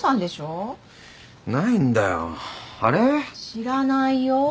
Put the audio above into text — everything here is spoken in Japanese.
知らないよ。